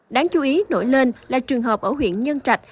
đáng chú ý nổi lên là trường hợp ở huyện nhân trạch